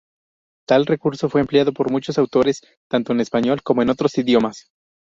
Tal recurso fue empleado por muchos autores, tanto en español como en otros idiomas.